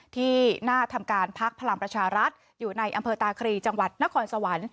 ที่หน้าทำการพักพลังประชารัฐอยู่ในอำเภอตาครีจังหวัดนครสวรรค์